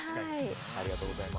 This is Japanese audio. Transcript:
ありがとうございます。